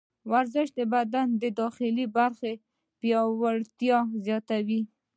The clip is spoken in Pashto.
ورزش د بدن د داخلي برخو پیاوړتیا زیاتوي.